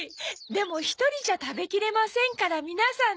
でも１人じゃ食べきれませんから皆さん